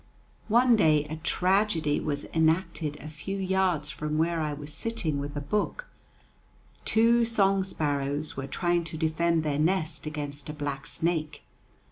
One day a tragedy was enacted a few yards from where I was sitting with a book: two song sparrows were trying to defend their nest against a black snake.